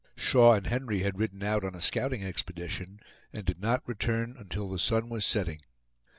Shaw and Henry had ridden out on a scouting expedition, and did not return until the sun was setting.